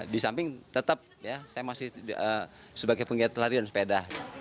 di samping tetap ya saya masih sebagai penggiat lari dan sepeda